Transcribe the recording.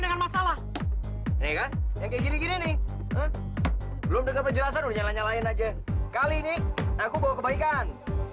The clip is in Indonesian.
dengan masalah ini belum dengar penjelasan nyala nyalain aja kali ini aku bawa kebaikan